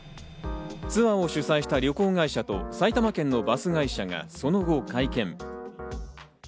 ツアーを主催した旅行会社と埼玉県のバス会社がその後、会見。